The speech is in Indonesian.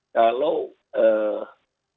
kalau dunia usaha kita harus memilih ekonomi